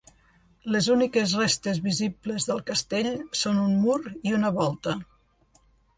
Les úniques restes visibles del castell són un mur i una volta.